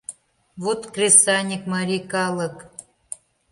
– Вот, кресаньык марий калык!